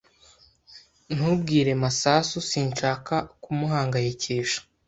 Ntubwire Masasu. Sinshaka kumuhangayikisha.